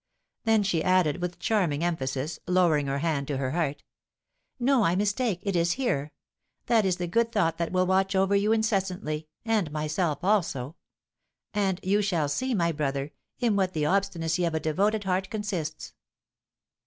Then she added, with charming emphasis, lowering her hand to her heart, "No, I mistake, it is here. That is the good thought that will watch over you incessantly, and myself also; and you shall see, my brother, in what the obstinacy of a devoted heart consists."